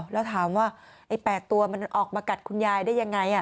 แล้วถามว่าไอ้๘ตัวมันออกมากัดคุณยายได้ยังไง